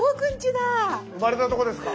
生まれたとこですか？